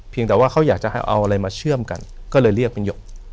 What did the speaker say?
แต่ว่าเขาอยากจะให้เอาอะไรมาเชื่อมกันก็เลยเรียกเป็นหยก